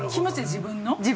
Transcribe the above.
自分の。